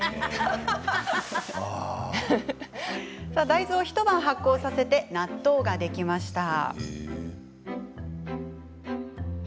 大豆を一晩、発酵させて納豆ができました。